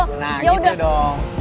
nah gitu dong